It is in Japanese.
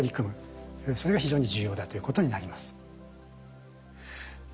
それが非常に重要だということになります。